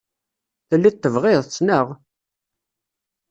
Telliḍ tebɣiḍ-tt, naɣ?